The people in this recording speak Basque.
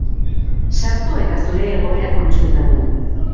Sartu eta zure egoera kontsultatu!